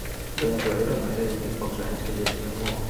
Doncs jo era un nano de vint-i-pocs anys que llegia molt.